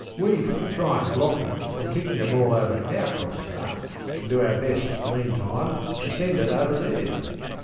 We've to try and block 'em from kicking the ball over our cross bar, and do our best, meantime, to send it over theirs.